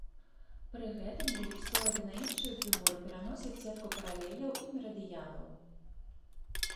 Пры гэтым з эліпсоіда на іншую фігуру пераносяць сетку паралеляў і мерыдыянаў.